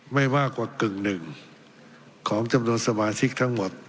ไม่มากกว่ากึ่งหนึ่งของจำนวนสมาชิกทั้งหมด